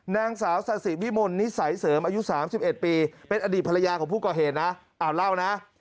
นางสาวสาธิวิมลนิสัยเสริมอายุ๓๑ปีเป็นอดีตภรรยาของผู้ก่อเหตุนะเอาเล่านะ